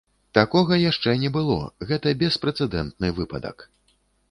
Такога яшчэ не было, гэта беспрэцэдэнтны выпадак!